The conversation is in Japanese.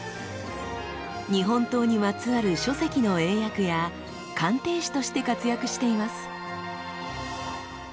日本刀にまつわる書籍の英訳や鑑定士として活躍しています。